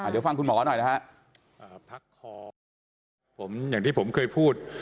อย่างที่ผมเคยพูด